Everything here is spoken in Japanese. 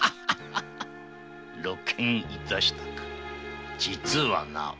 露見致したか実はな大岡殿。